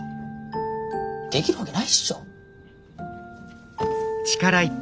できるわけないっしょ。